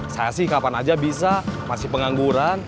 saya sih kapan aja bisa masih pengangguran